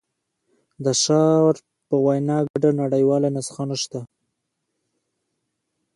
د شارپ په وینا ګډه نړیواله نسخه نشته.